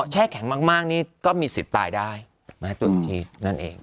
แช่แข็งมากนี่ก็มีสิทธิ์ตายได้ตัวจี๊ดนั่นเอง